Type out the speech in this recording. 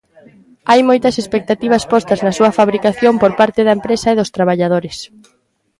Hai moitas expectativas postas na súa fabricación por parte da empresa e dos traballadores.